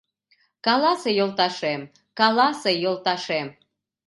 Каласе, йолташем, каласе, йолташем